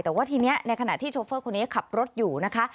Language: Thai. แต่ว่าทีนี้ในขณะที่โชเฟอร์คนนี้ขับรถอยู่นะคะ